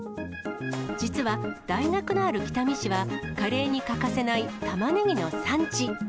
実は大学のある北見市は、カレーに欠かせないタマネギの産地。